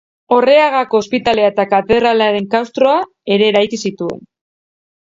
Orreagako ospitalea eta katedralaren klaustroa ere eraiki zituen.